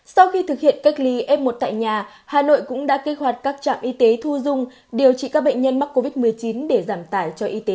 sau khi thực hiện cách ly f một tại nhà hà nội cũng đã kích hoạt các trạm y tế thu dung điều trị các bệnh nhân mắc covid một mươi chín để giảm tải cho y tế